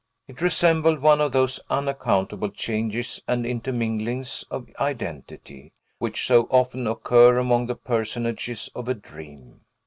It resembled one of those unaccountable changes and interminglings of identity, which so often occur among the personages of a dream.